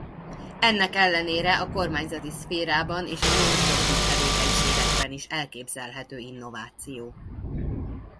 Ennek ellenére a kormányzati szférában és a non-profit tevékenységekben is elképzelhető innováció.